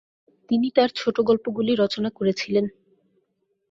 তিনি তার ছোটগল্পগুলি রচনা করেছিলেন।